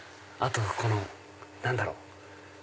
あとこの何だろう？